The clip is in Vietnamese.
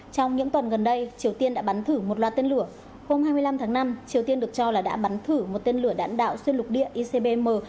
trong những tuần gần đây triều tiên đã bắn thử một loạt tên lửa hôm hai mươi năm tháng năm triều tiên được cho là đã bắn thử một tên lửa đạn đạo xuyên lục địa icbm